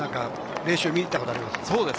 練習を見に行ったことがあります。